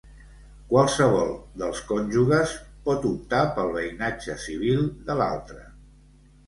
Qualsevol dels cònjuges pot optar pel veïnatge civil de l'altre.